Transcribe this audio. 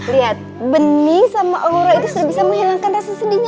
lihat beni sama elora itu sudah bisa menghilangkan rasa sendihnya